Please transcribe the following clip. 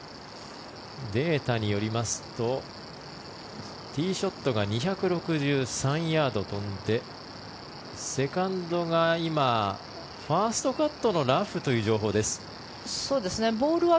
データによりますとティーショットが２６３ヤード飛んでセカンドが今、ファーストカットのラフという情報です。